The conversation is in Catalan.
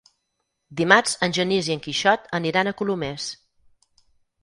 Dimarts en Genís i en Quixot aniran a Colomers.